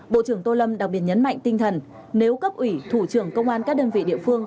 bộ trưởng tô lâm đặc biệt nhấn mạnh tinh thần nếu cấp ủy thủ trưởng công an các đơn vị địa phương